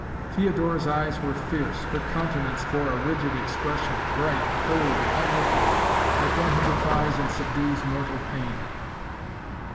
Theodora's eyes were fierce, her countenance bore a rigid expression, bright, cold, unearthly, like one who defies and subdues mortal pain.